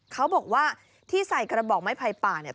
เขาบอกว่าที่ใส่กระบอกไม้ไผ่ป่าเนี่ย